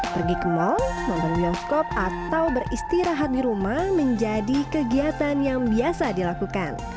pergi ke mall memperluang skop atau beristirahat di rumah menjadi kegiatan yang biasa dilakukan